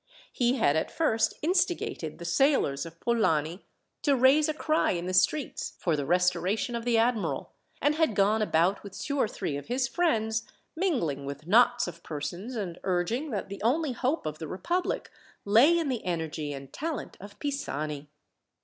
He had at first instigated the sailors of Polani to raise a cry in the streets for the restoration of the admiral, and had gone about with two or three of his friends, mingling with knots of persons, and urging that the only hope of the republic lay in the energy and talent of Pisani.